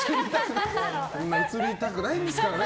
こんな映りたくないんですからね